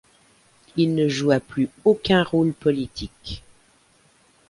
Il ne joua plus aucun rôle politique.